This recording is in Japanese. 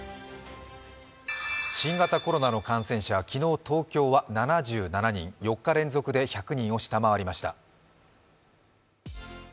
新型コロナの感染者、昨日、東京は７７人４日連続で１００人を下回りました。